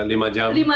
ya lima jam